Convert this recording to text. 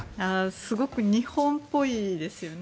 すごく日本っぽいですよね。